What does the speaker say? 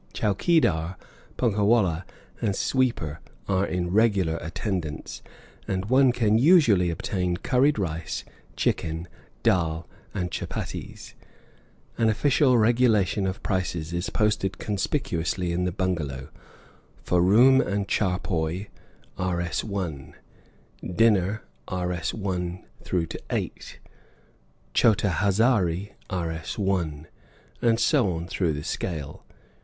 Chowkeedar, punkah wallah, and sweeper are in regular attendance, and one can usually obtain curried rice, chicken, dhal, and chuppatties. An official regulation of prices is posted conspicuously in the bungalow: For room and charpoy, Rs 1; dinner, Rs 1 8; chota hazari, Rs 1, and so on through the scale.